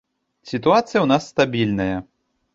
Сітуацыя ў нас стабільная.